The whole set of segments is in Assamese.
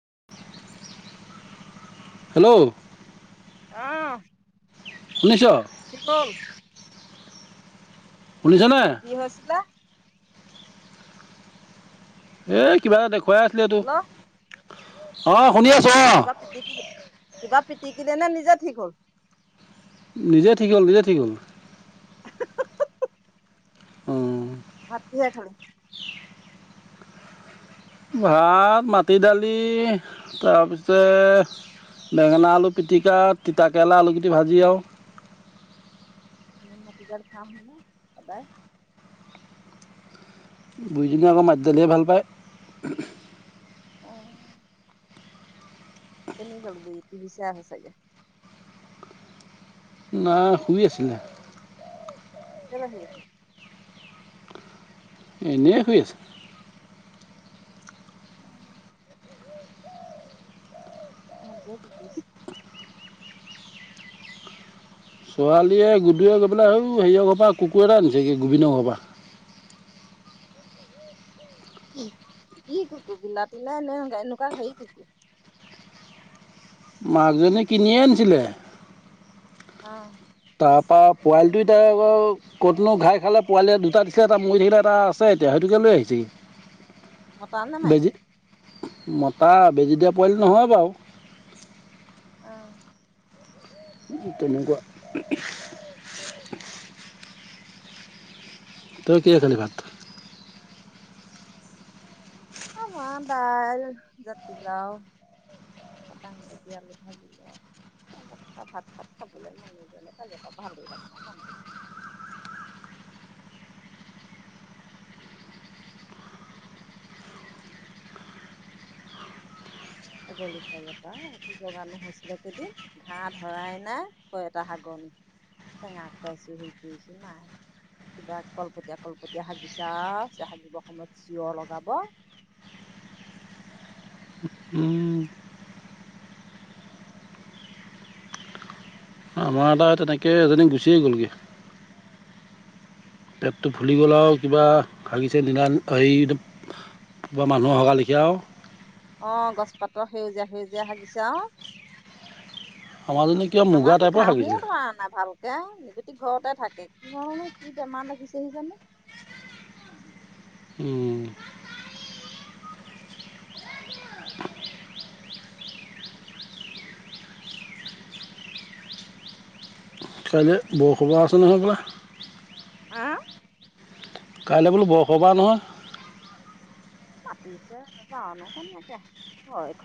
[inaudible] হেল্ল'। অহ, শুনিছ ঠিক হ'ল। শুনিছনে কি হৈছিলা? এ, কিবা এটা দেখ খুয়ায় আছিলে তো। হেল্ল' অ। কিবা পিতিকিলি, কিবা পিত তিকি দে নে নিজে ঠিক হ'ল। নিজে ঠিক হ'ল, নিজে ঠিক হ'ল। অ। ভাত কিহে খালি? ভাত, মাটি দালি, তাৰপিছে বেঙেনা, আলু পিটিকা, তিতাকেৰেলা, আলুকেইটি ভাজি আৰু ইমন মাটিদাইল খাৱহতনে সদায়। বুইজনীয়ে আকৌ মাটিডদালিহে ভাল পায়। কেনি গ'ল বুইছ, টি ভি চাই আছে চাগে। না, শুই আছিলে। কেলে শুই আছে? এনে শুই আছে। উম। আহাত বোৰে কি কৰিছে? ছোৱালীয়ে, গুদোৱে গৈ পেলাই হৌ হেঁয় ঘৰ পৰা কুকুৰ এটা আনিছেনে, গোবিনৰ ঘৰ পৰা। কি কুকু বিলতি নে এ এনেকুৱা হেই কুকু? মাজনী কিনিয়ে আনিছিলে। অ তাৰপৰা পোৱালিটো এতিয়া আকৌ ক'তনো ঘাই খালে পোৱালি দুটা দিছিলে এটা মৰি থাকিলে এটা আছে এতিয়া সেইটোকে লৈ আহিছে ই। মতা নে মাইকী? মতা বেজী দিয়া পোৱালি নহয় বাৰু অহ ত নেকুৱা তই কিহেদি খালি ভাত? আমাহ দাইল জাতিলাও দাবটি আলু ভাজি লাও অল ভাত চাত খাবলৈ মন নি জনে কাল এপ ভালেই লব নে মনটোকে ছাগলী পজা এইটো জগানো হৈছিলে কেইদিন ঘাঁহ ধৰাই নাই তই এটা হাগৰনি টেঙা খুৱাইছো হেৰি কৰিছো নাই কিবা কলপতীয়া কলপতীয়া হাগিছা হাগিবৰ সময়ত চিঞ লগাব। আমাৰ এটা তেনেকে এজনী গুচিয়েই গ'লগৈ। তেপ ফুলি গ'লা আৰু কিবা ভাগিছে দিনা হেৰি মানুহৰ সগা লেখীয়া আৰু অ গছ পাতৰ সেউজীয়া সেউজীয়া হাগিছে অ আমাৰাজনী কিবা মুগা টাইপৰ হাগিছিল। তাকেগতি ঘৰতে থাকে কি কৰনো কি বেমাৰ লাগিছেহি জানো। উম। কাইলৈ বৰসবৰ আছে নহয় বোলে। আহ কাইলৈ বোলো বৰসবাহ নহয়। মাতিছে জানো কেনেকে হয় [inaudible]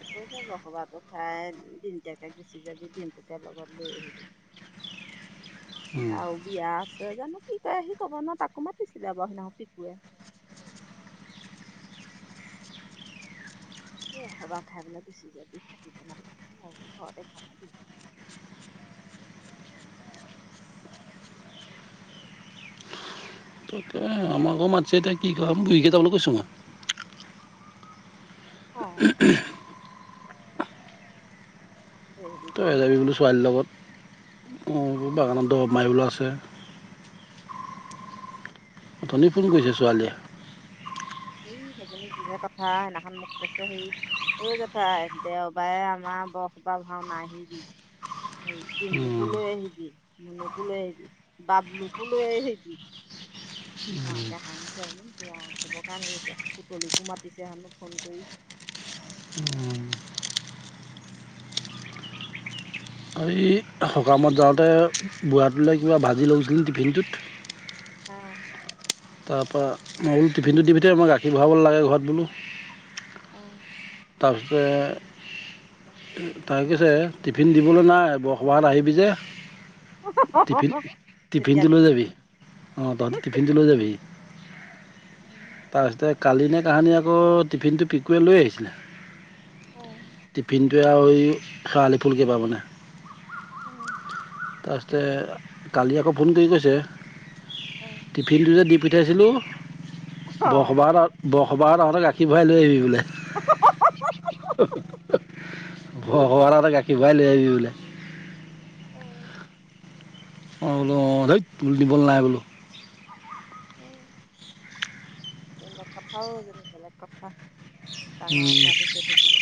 একৈ চ বসবাহটো খাই দিনটাকে গুচি যাবি দিনটোকে লগত লৈ আহিবি আৰু বিয়া আছে জানো কি কয় সি কব ন তাকো মাতিছিলে ব সিদিখন পিকুৱে তসবাহ খাইবেলাক বেছি যদি থাকিব নালাগে ঘৰত এখনদি তাকে আমাৰ আকৌ মাতিছে এতিয়া কি ক গৰিকেইটাবলৈ কৈছোঁ মই অ। উম। সাৰি বোলো ছোৱালীৰ লগত অ বাগানন্দ মাৰিবোলো আছে। উম। [unintelligible] অতনি ফোন কৰিছে ছোৱালীয়ে। এই সেইজনী যিহে কথা সেইদিনাখন মোক কৈছে হেৰি এই জেঠাই দেওবাৰে আমাৰ বস বা ভাও নাহিবি হেৰি ডিম্পুকো ছোৱালীয়ে লৈ আহিবি মুনুকো লৈ আহিবি বাবলুকো লৈ আহিবি মোৱাকে হাঁহিছে চবক কণ কৰিছে পুতলিকো মাতিছে হেনো ফোন কৰি। এই সকামত যাওঁতে বুঢ়াটোলৈ কিবা ভাজি লৈছিল টিফিনটোত। অহ। তাৰ পৰা মই বো টিফিনটো দিপঠাও গাখীৰ ভৰাব লাগে ঘৰত বোলো। উম। তাৰপিছতে তাই কৈছে টিফিন দিবলৈ নাই বসবাহাত আহিবি যে আহ টিফিন তেতিয়া টিফিনটো লৈ নিবি যাবি অঁ তহঁতি টিফিনটো লৈ যাবি। উম। তাৰপিছতে কালি ন তাহানী আকৌ টিফিনটো পিকুৱে লৈ আহিছিলনে। টিফিন এইে আৰু খেৰালি ফুল কেইিবা মানে। অ [inaudible] তাৰপিছতে কালি আকৌ ফোন কৰি কৈছে টিফিন পিঠাইছিলোঁ বহব বসবাহ তহঁ গাখীৰ ভৰাই লৈ আহিবি বোলে ভতে গাখীৰ ম'বাই লৈ আহিবি বোলে আহ অ বোলো ধত তুল দবল নাই বোলো উ বেলেগ কথাও যে বেলেগ কথা ডাঙৰ এক আদিতে থাকিব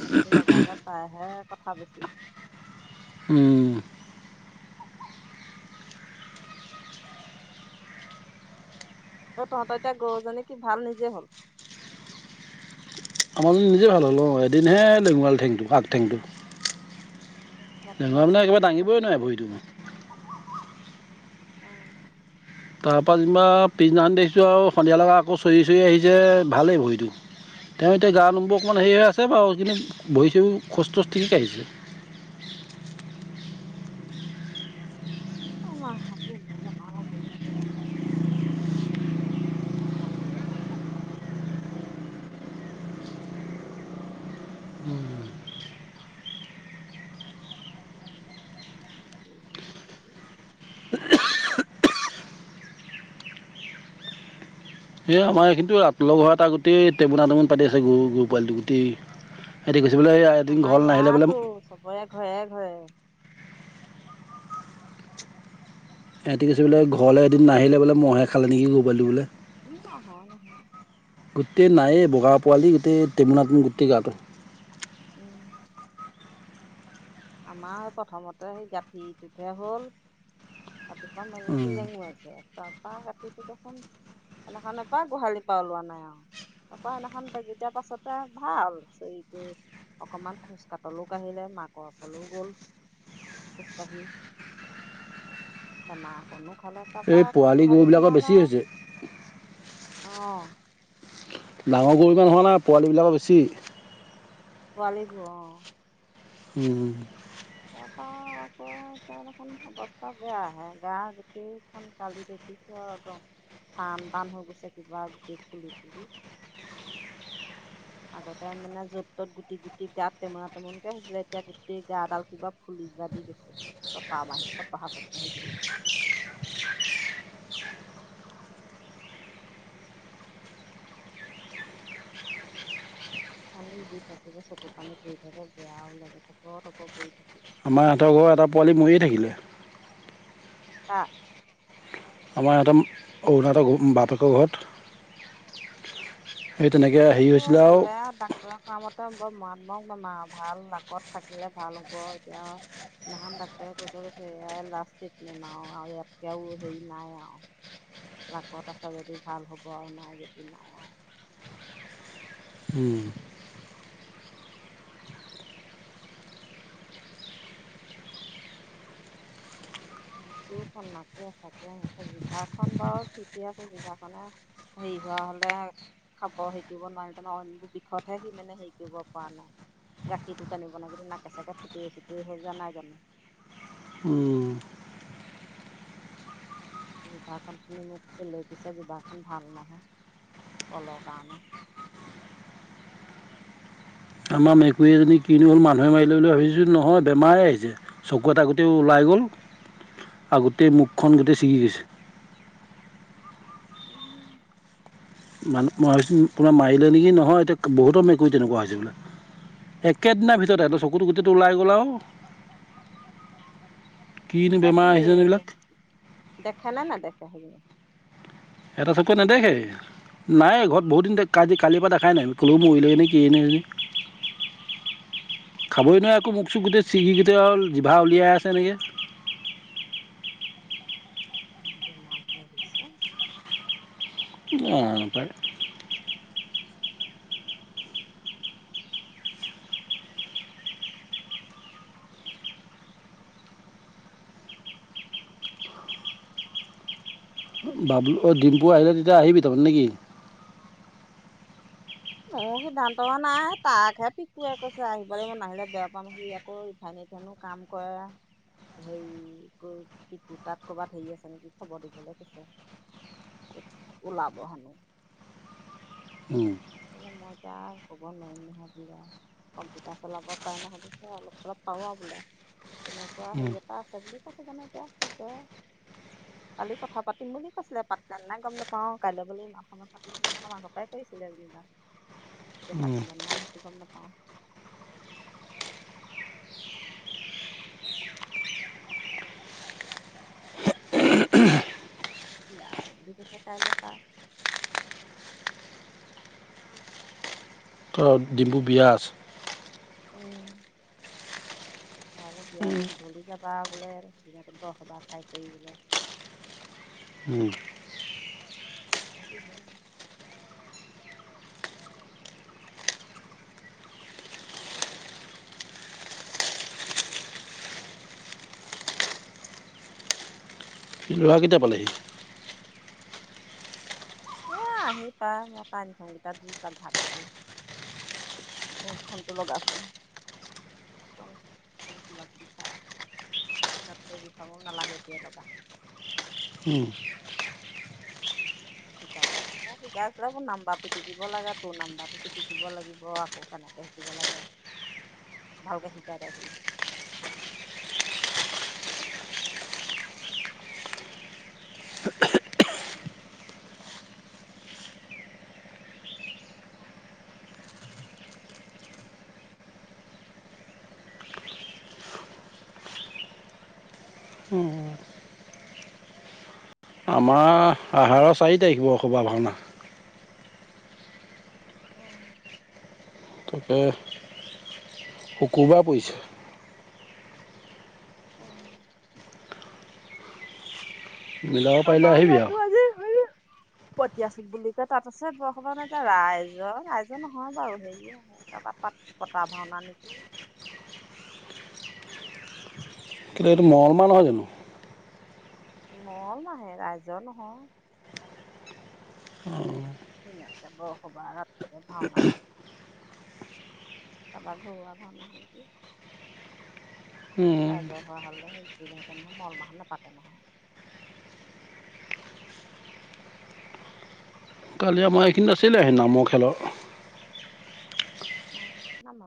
কোনটো লগালে তাইহে কথা উম তহঁত এতিয়া গৰুজনী কি ভাল নিজে হল আমাৰ নিজে ভাল হ'ল ন এদিনহে লেঙৰাল ঠেংটো আগ ঠেংটো অলপ কিবা জেঙা মানে খুট একেবাৰে চুট দাঙিবই নোৱাৰে ভৰিটো মই আহ তাৰপৰা যেনিবা পিছদিনাখন দেখিছোঁ আৰু সন্ধিয়া লগা আকৌ চৰি চৰি আহিছে ভালেই ভৰিটো তেওঁ এতিয়া গা নুমবোৰ অকণমান হেৰি হৈ আছে বাৰু কিন্তু ভৰি চৰিও খোচটোচ ঠিক আহিছে [unintelligible] অ সেই ল [inaudible] এ আমাৰ এইখিনিটো ৰাত লগৰ ঘ এটা গোটেই টেমুনা টমুন পাতি আছে গৰু গৰু পোৱিটো গোটেই বোলে এদিন আমাৰ ঘৰলৈ নাহিলে বোলে ইয়াতো চবৰে ঘৰে ঘৰে এহঁতি কিছছে বোলে ঘৰলৈ এদিন নাহিলে বোলে মহে খালে নেকি গ পোৱালি বোলে ই হ নহ গোটেই নায়ে বগা পোৱালি গোটেই টেমুনাথন গোটেই গাটো উম আমাৰ প্ৰথমতে সেই গাঁঠিটোতহে হ'ল ৰা মেলিছো উম, লেঙু আছে ত তপা কাঁঠিটো দেখোন সদিনাখন এপা গোহালি পৰা ওলোৱা নাই আৰু তাৰপা সদিনাখন বেজি দিয়াৰ পাছতে ভাল চ অকমান খোজ কাতলো আঢিলে মাক কচ হ'লেও গ'ল খোজকাঢ়ি দানাকণো গোলৰ তাৰপা এই আকৌ পোৱালি গোহালি গৰুবিলাকৰ বেছি সোমালা হৈছে আৰু অ ডাঙৰ গৰু নহোৱা নাই পোৱালিবিলাকৰ বেছি পোৱালি প অ উম পা আকৌ এ দেখন অৱস্থা বেয়া আহে গা গোটেইখন কালি দেখিছো আৰুদম টান টান হৈ গৈছে কিবা গুটি ফুলি ফুলি আগতে মানে যত ত'ত গুটি গুটি গা টেমনা টেমুনকে হৈছিলে এতিয়া গোটেই গা এডাল কিবা ফুলিবা দি গৈছে ছত মাহী ছতহা চত মাহী বিহি পানী দি থাকিব চকু পানী ব থাকে বেয়াও লাগে প পৰ ব থাকিব আমাৰ ইতৰ ঘৰৰ এটা পোৱালি মৰিয়ে থাকিলে ক আমাৰ ইতে অৰুণা বাটকৰ ঘৰত সেই তেনেকৈ হেৰি এটো হৈছিলে আৰু হ'লে আ ডাক্তৰে কোৱা মতে বৰ মৰা দম দমা ভাল আগত থাকিলে ভাল হ'ব এতিয়া সিদিনাখন ডাক্তৰে কৈ থৈ গৈছে এয়াই লাষ্ট ট্ৰিটমেণ্ট আৰু আৰু ইয়াতকেও হেৰি নাই আৰু। লাকত আছে যদি ভাল হব আৰু নাই যদি নাই আৰু উম, গোটেই খন নাকে চাকে মুখে জিভাখন বাৰু ঠিকে আছে। জিভাখনে হেৰি হোৱা হলে খাব হেৰি কৰিব নোৱাৰিব নহয়। বিষতহে সি মানে হেৰি কৰিব পৰা নাই। গাখীৰটো টানিব নাগদি নাকে চাকে থুতৰি চুতৰি হৈ যোৱা নাই জানো। উম, জিভাৰখন চুই মোক চেলেকিছে জিভাখন ভাল নহয় কলৰ কাৰণে। আমাৰ মেকুৰী এজনী কিনো হ'ল মানুহে মাৰিলৈ বুলি ভাবিছোঁ, নহয় বেমাৰে আহিছে। চকু এটা গোটেই ওলাই গ'ল আগ গোটেই মুখখন অ, গোটেই চিগি গৈছে। উম। মান মই ভাবিছোঁ কোনোবাই মাৰিলে নেকি নহয়, এতিয়া বহুতো মেকুৰী তেনেকুৱা হৈছে বোলে। একেদিনা ভিতৰত এই চকুটো গোটেইটো ওলাই গ'ল আও। এটা কি দেখে নে নেদেখে। বাহিৰলে এটা চকুৱে নেদেখেই নাই ঘৰত বহুত দিন কি কালিৰ পৰা দেখাই নাই বোলো মৰিলেই নে কিয়ে নে এইজনী। খাবই নোৱাৰে অ, আকৌ মোখ চোখ তাই গোটেই ছিগাৰেট আও জিভা উলিয়াই আছে তেনেকেই বেমাৰটো হৈছে। যানো পাই। বাবলু অঁ ডিম্পু আহিলে তেতিয়া আহিবি তহঁত নেকি মোৰ সিদ্ধান্ত হোৱা নাই তাকহে পিকুৱে কৈছে আহিবলৈ মই নাহিলে বেয়া পাম সি আকৌ ৰিফাইনেৰত হেনো কাম কৰে হেৰি পিকু তাত কৰবাত হেৰি আছে নেকি খবৰ দিবলৈ কৈছে ওলাব হেনো মই এতিয়া কব নোৱাৰিম নহয়বা কম্পিউটাৰ চলাব পাৰে নে সুধিছে অলপ চলপ পাৰো আৰু বোলে তেনেকুৱা হেৰি এটা আছে বুলি কৈছে জানো এতিয়া কি কয় কালি কথা পাতিম বুলি কৈছিলে পাতিলে নাই গম নাপাওঁ কাইলৈ বোলে ইমান সময় পাতিম সিদিনাখন আমাৰ ঘৰই কৰিছিলে যেনিবা। এতিয়া পাৰিলেনে নাই সেইটো গম নাপাও। বিয়া আছে বুলি কৈছে কাইলৈ পা অ ডিম্বু বিয়া আছে। উম তালৈ বিয়ালৈ গধূলি যাবা বোলে দিনটো বৰ সবাস খাই কৰি বোলে [unintelligible] লৰা কেতিয়া পালেহি? এ আহি পাই মই তাই নথওঁগেইটাত দু তাক ভাব দিলো মোৰ ফোনটো লগাচোন আকৌ চ কিবা কিবি চাই আটাতকৈ দি থাব নালাগে এতিয়া লগা শিকাই দে আ শিকাই আছিলে মোৰ নাম্বাৰ পিটিকিব লাগে তোৰ নাম্বাৰটো পিটিকিব লাগিব আকৌ কেনেকে শিকিব লাগে ভালকে শিকাই দে বোলো। আমাৰ আহাৰৰ চাৰি তাৰিখ বৰসভা ভাওনা অ তাকে শুকুবাৰ পৰিছে। উম। মিলাব পাৰিলে আমাৰ আহিবি আৰু ইয়াতো আজি হয়। পঠিয়াছো বুলি কয় তাত আছে বৰসবৰ নাই এতিয়া ৰাইজৰ ৰাইজৰ নহয় বাৰু হেৰি হয় কাৰবাৰ পাত পতা ভাওনা নেকি। কিন্তু এইটো মলমাহ নহয় জানো মল মাহে ৰাইজৰ নহয়। দিনত বৰসবাহ ৰাতিলে ভাওনা কাৰাবাৰ ঘৰুৱা ভাওনা হয়' নেকি ৰাইজৰ হোৱা হলে সেইহতে নহয় মল মাহল নোপাতে নহয়। কালি আমাৰ এইখিনি আাছিলে হেই নামৰ খেলৰ অ নম